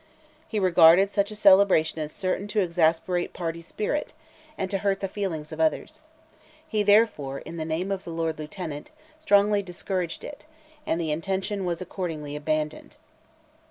He regarded such a celebration as certain "to exasperate party spirit," and "to hurt the feelings of others;" he, therefore, in the name of the Lord Lieutenant, strongly discouraged it, and the intention was accordingly abandoned.